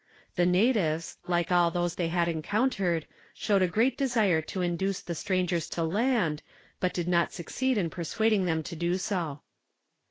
The natives, like all those they had encountered, showed a great desire to induce the strangers to land, but did not succeed in persuading them to do so.